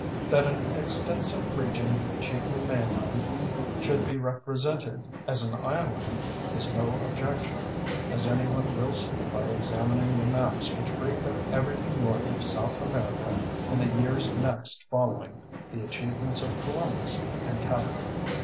That an extensive region, chiefly mainland, should be represented as an island is no objection, as anyone will see by examining the maps which break up everything north of South America in the years next following the achievements of Columbus and Cabot.